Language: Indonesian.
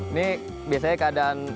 ini biasanya keadaan